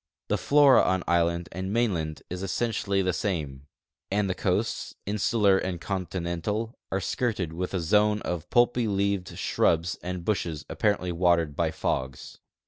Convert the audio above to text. The flora on island and mainland is essentially the same ; and the coasts, insular and continental, are skirted with a zone of i)ulpy leaved shrubs and bushes apparently watered by fogs.